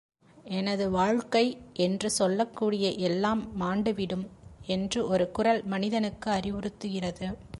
எனது வாழ்க்கை என்று சொல்லக்கூடிய எல்லாம் மாண்டுவிடும் என்று ஒரு குரல் மனிதனுக்கு அறிவுறுத்துகிறது.